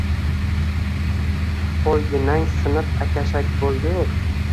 Qo‘lginang sinib akashak bo‘lgur.